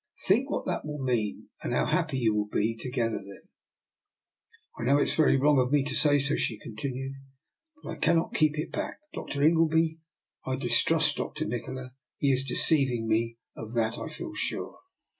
Think what that will mean, and how happy you will be together then." " I know it is very wrong of me to say DR. NIKOLA'S EXPERIMENT. 219 SO," she continued; "but I cannot keep it back. Dr. Ingleby — I distrust Dr. Nikola. He is deceiving me; of that I feel sure."